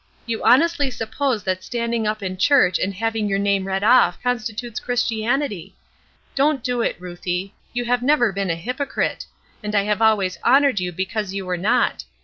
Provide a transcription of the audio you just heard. You honestly suppose that standing up in church and having your name read off constitutes Christianity! Don't do it, Ruthie; you have never been a hypocrite, and I have always honored you because you were not.